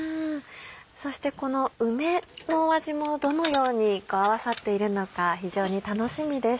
そしてこの梅の味もどのように合わさっているのか非常に楽しみです。